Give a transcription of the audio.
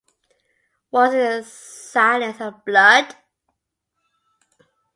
Was it a silence of blood?